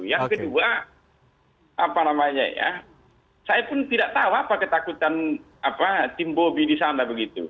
yang kedua apa namanya ya saya pun tidak tahu apa ketakutan tim bobi di sana begitu